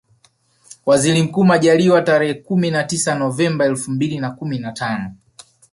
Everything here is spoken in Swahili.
Waziri Mkuu Majaliwa tarehe kumi na tisa Novemba elfu mbili na kumi na tano